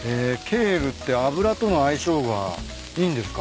ケールって油との相性がいいんですか。